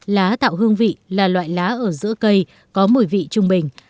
lá tạo hương vị là loại lá ở giữa cây có mùi vị trung bình